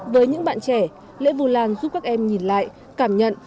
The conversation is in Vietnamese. với những bạn trẻ lễ vu lan giúp các em nhìn lại cảm nhận